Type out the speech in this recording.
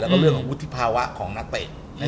แล้วก็เรื่องของวุฒิภาวะของนักเตะ